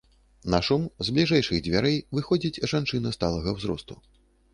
На шум з бліжэйшых дзвярэй выходзіць жанчына сталага ўзросту.